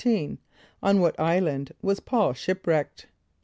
= On what island was P[a:]ul shipwrecked?